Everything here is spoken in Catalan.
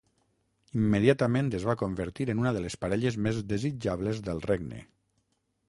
Immediatament es va convertir en una de les parelles més desitjables del regne.